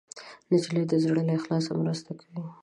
نجلۍ د زړه له اخلاصه مرسته کوي.